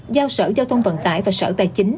giao sở giao thông vận tải và sở tài chính